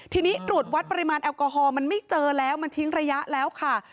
ทีนี้ตรวจวัดปริมาณแอลกอฮอลมันไม่เจอแล้วมันทิ้งระยะแล้วค่ะ